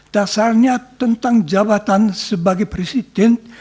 dasarnya tentang jabatan sebagai presiden